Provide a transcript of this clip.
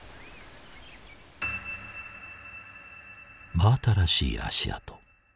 真新しい足跡。